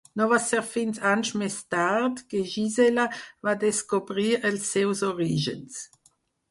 No va ser fins anys més tard, que Gisela va descobrir els seus orígens.